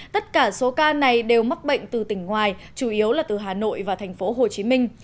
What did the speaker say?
tất cả số ca này đều mắc bệnh từ tỉnh ngoài chủ yếu là từ hà nội và thành phố hồ chí minh